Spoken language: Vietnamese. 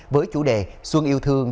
với chủ đề xuân yêu thương